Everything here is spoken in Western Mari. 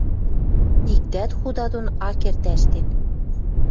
Иктӓт худа дон ак керд ӓштен.